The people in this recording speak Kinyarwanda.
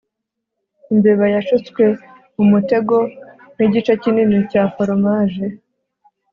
imbeba yashutswe mumutego nigice kinini cya foromaje